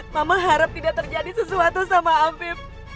mama harap tidak terjadi sesuatu sama apip